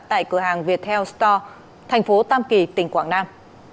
tại cửa hàng viettel store tp tam kỳ tỉnh quảng nam